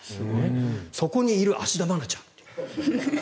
そこにいる芦田愛菜ちゃんという。